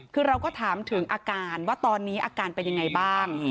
คือเราก็ถามถึงอาการว่าตอนนี้อาการเป็นยังไงบ้าง